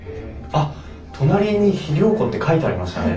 あっ隣に肥料庫って書いてありましたね。